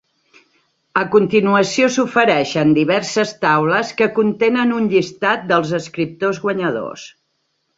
A continuació s'ofereixen diverses taules que contenen un llistat dels escriptors guanyadors.